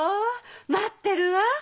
待ってるわ！